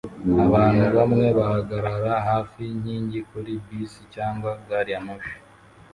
Abantu bamwe bahagarara hafi yinkingi kuri bisi cyangwa gari ya moshi